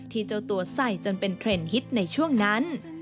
เจ้าตัวใส่จนเป็นเทรนด์ฮิตในช่วงนั้น